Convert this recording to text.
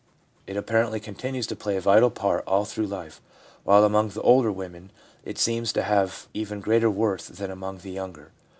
It apparently continues to play a vital part all through life, while among the older women it seems to have even greater worth than among the younger.